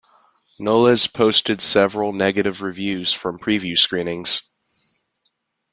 Knowles posted several negative reviews from preview screenings.